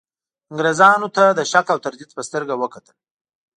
انګرېزانو د شک او تردید په سترګه وکتل.